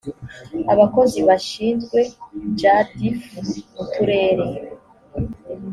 abakozi bashinzwe jadf mu turere